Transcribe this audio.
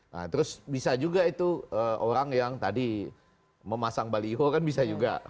nah terus bisa juga itu orang yang tadi memasang baliho kan bisa juga